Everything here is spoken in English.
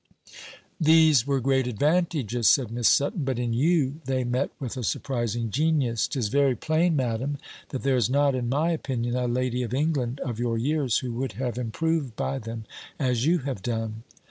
"These were great advantages," said Miss Sutton; "but in you, they met with a surprising genius, 'tis very plain, Madam; and there is not, in my opinion, a lady of England, of your years, who would have improved by them as you have done."